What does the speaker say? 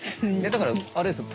だからあれですよ